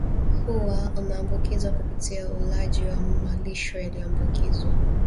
Huwa unaambukiza kupitia ulaji wa malisho yaliyoambukizwa